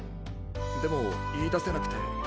でもいいだせなくて。